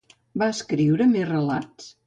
Va escriure més relats?